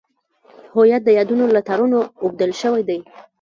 هویت د یادونو له تارونو اوبدل شوی دی.